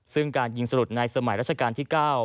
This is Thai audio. ซึ่งการยิงสลุดในสมัยราชการที่๙